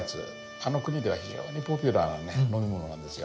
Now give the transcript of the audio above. あの国では非常にポピュラーなね飲み物なんですよ。